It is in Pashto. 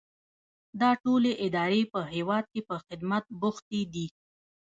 دا ټولې ادارې په هیواد کې په خدمت بوختې دي.